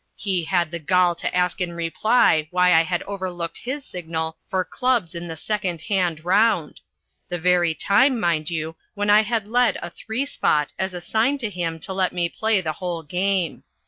He had the gall to ask in reply why I had overlooked his signal for clubs in the second hand round; the very time, mind you, when I had led a three spot as a sign to him to let me play the whole game.